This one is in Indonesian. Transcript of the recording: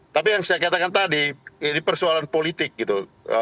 tapi yang saya katakan tadi ini persoalan politik gitu